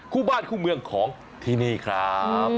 คู่บ้านคู่เมืองของที่นี่ครับ